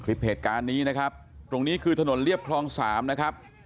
คลิปเหตุการณ์นี้นะครับตรงนี้คือถนนเรียบคลองสามนะครับ